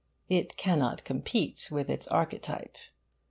It cannot compete with its archetype.